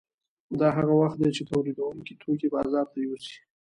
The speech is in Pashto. دا هغه وخت دی چې تولیدونکي توکي بازار ته یوسي